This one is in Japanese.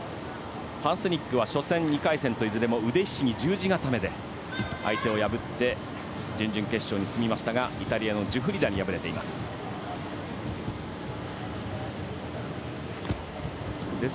ファン・スニックは初戦、２回戦といずれも腕ひしぎ十字固めで相手を破って準々決勝に進みましたがイタリアのジュフリダに敗れています。